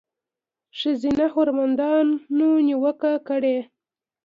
ښځینه هنرمندانو نیوکه کړې